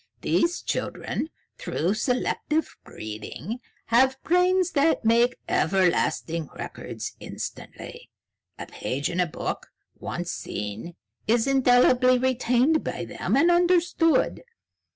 "These children, through selective breeding, have brains that make everlasting records instantly. A page in a book, once seen, is indelibly retained by them, and understood.